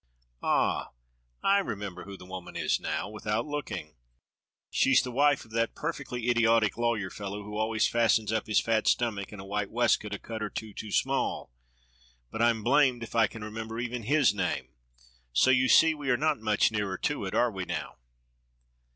Ah! I remember who the woman is now, without looking. She's the wife of that perfectly idiotic lawyer fellow who always fastens up his fat stomach in a white waistcoat a cut or two too small, but I'm blamed if I can remember even his name, so you see we are not much nearer to it, are we now.''